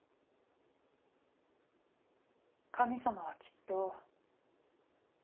神様はきっと。